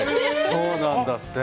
そうなんだって。